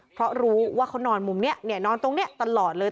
เพราะรู้ว่าเขานอนมุมเนี่ยเนี่ยนอนตรงเนี่ยตลอดเลย